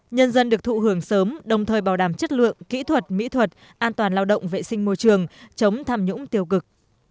nhân dân được thụ hưởng sớm đồng thời bảo đảm chất lượng kỹ thuật mỹ thuật an toàn lao động vệ sinh môi trường chống tham nhũng tiêu cực